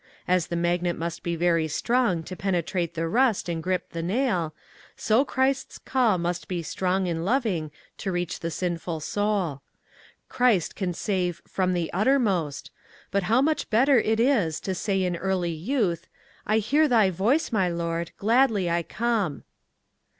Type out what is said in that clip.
As the magnet must be very strong to penetrate the rust and grip the nail, so Christ's call must be strong and loving to reach the sinful soul. Christ can save "from the uttermost," but how much better it is to say in early youth, "I hear thy voice, my Lord. Gladly I come."